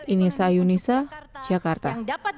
ini sayu nisa jakarta